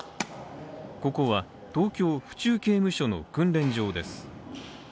ここは東京・府中刑務所の訓練場です。